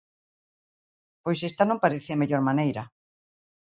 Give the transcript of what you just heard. Pois esta non parece a mellor maneira.